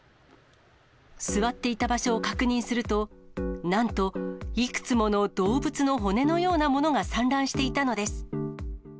座っていた場所を確認すると、なんと、いくつもの動物の骨のようなものが散乱していたのです。